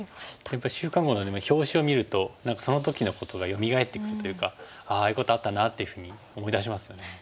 やっぱり「週刊碁」の表紙を見るとその時のことがよみがえってくるというかああいうことあったなっていうふうに思い出しますよね。